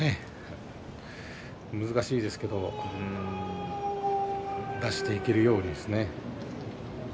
難しいですけれども出していけるように。